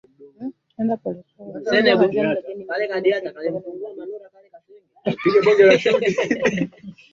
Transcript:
Moja kwa moja Punja Kara alidanganya mahakama